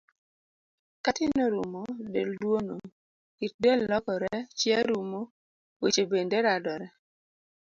Ka tin orumo, del duono, kit del lokore, chia rumo, weche bende radore.